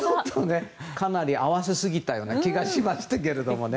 かなり合わせすぎたような気がしましたけど。